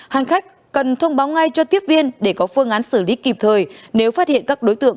hành khách cần thông báo ngay cho tiếp viên để có phương án xử lý kịp thời nếu phát hiện các đối tượng